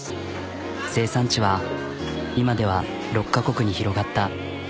生産地は今では６カ国に広がった。